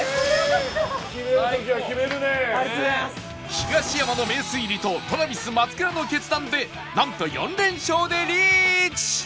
東山の名推理と Ｔｒａｖｉｓ 松倉の決断でなんと４連勝でリーチ！